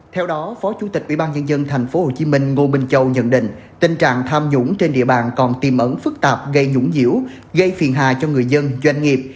tp hcm ngô minh châu nhận định tình trạng tham nhũng trên địa bàn còn tiềm ẩn phức tạp gây nhũng dĩu gây phiền hà cho người dân doanh nghiệp